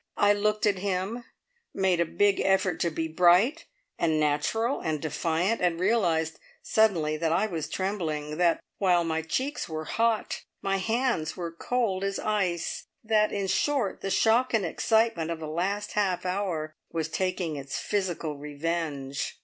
I looked at him, made a big effort to be bright, and natural, and defiant, and realised suddenly that I was trembling; that, while my cheeks were hot, my hands were cold as ice; that, in short, the shock and excitement of the last half hour was taking its physical revenge.